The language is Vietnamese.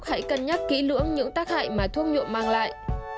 hãy cân nhắc kỹ lưỡng những tác hại mà thuốc nhuộm mang lại